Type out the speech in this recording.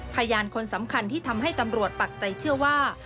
พยานคนสำคัญที่ทำให้ตำรวจปักใจเชื่อว่า